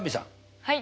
はい。